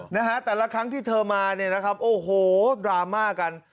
นะฮะแต่ละครั้งที่เธอมาเนี่ยนะครับโอ้โหดราม่ากัน